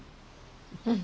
うん。